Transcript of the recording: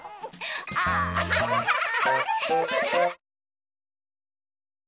アハハハハ！